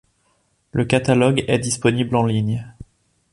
Le catalogue est disponible en ligne.